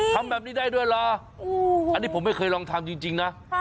ทำแบบนี้ได้ด้วยเหรออันนี้ผมไม่เคยลองทำจริงนะ